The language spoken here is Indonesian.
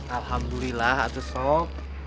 alhamdulillah atas sob